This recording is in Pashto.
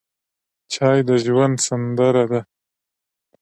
چای د ژوند سندره ده.